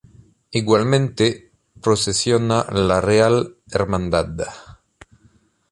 Igualmente, procesiona la "Real Hdad.